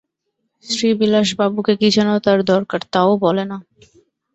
শ্রীবিলাসবাবুকে কী যে তার দরকার তাও বলে না।